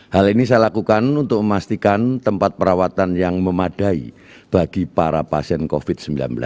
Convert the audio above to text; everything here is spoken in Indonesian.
hal ini saya lakukan untuk memastikan tempat perawatan yang memadai bagi para pasien covid sembilan belas